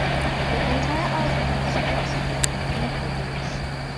The entire album was put together within four days.